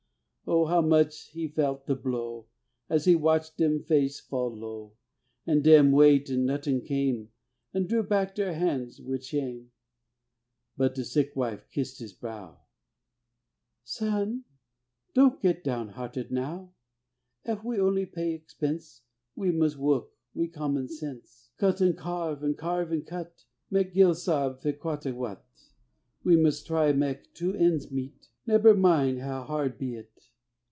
Oh, how much he felt de blow, As he watched dem face fall low, When dem wait an' nuttin' came An' drew back deir han's wid shame! But de sick wife kissed his brow: "Sun, don't get down hearted now; Ef we only pay expense We mus' wuk we common sense, Cut an' carve, an' carve an' cut, Mek gill sarbe fe quattiewut; We mus' try mek two ends meet Neber mind how hard be it.